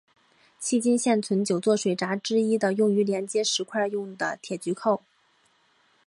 迄今现存九座水闸之一的用于连接石块用的铁锔扣。